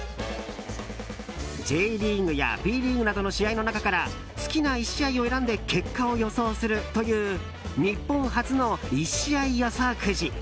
ＪリーグやＢリーグなどの試合の中から好きな１試合を選んで結果を予想するという日本初の１試合予想くじ。